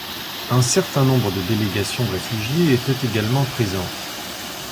Un certain nombre de délégations de réfugiés étaient également présentes.